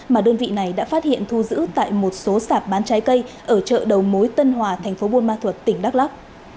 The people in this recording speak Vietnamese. mà đơn vị này đã phát hiện thu giữ tại một số sạp bán trái cây ở chợ đầu mối tân hòa thành phố buôn ma thuật tỉnh đắk lắc